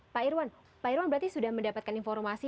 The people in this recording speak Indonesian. pak irwan pak irwan berarti sudah mendapatkan informasi